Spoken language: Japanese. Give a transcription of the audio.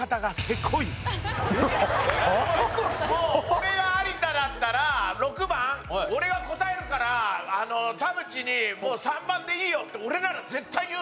俺が有田だったら６番俺が答えるから田渕にもう３番でいいよって俺なら絶対に言うのよ。